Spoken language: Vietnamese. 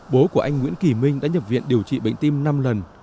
bố của anh nguyễn kỳ minh đã nhập viện điều trị bệnh tim năm lần